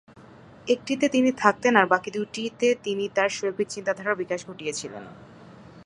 একটিতে তিনি থাকতেন আর বাকি দুটিতে তিনি তার শৈল্পিক চিন্তাধারার বিকাশ ঘটিয়েছিলেন।